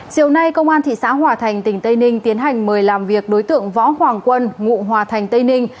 chiều nay công an thị xã hòa thành tỉnh tây ninh tiến hành mời làm việc đối tượng võ hoàng quân ngụ hòa thành tây ninh